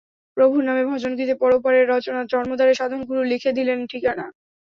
প্রভুর নামে ভজন গীতে পরপারের রচনা, জন্ম দ্বারে সাধন গুরু লিখে দিলেন ঠিকানা।